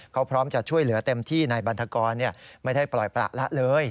เขาพร้อมจะช่วยเหลือเต็มที่นายบันทกรไม่ได้ปล่อยประละเลย